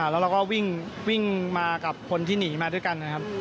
แล้วเราก็วิ่งมากับคนที่หนีมาด้วยกันนะครับ